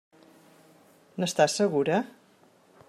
N'estàs segura?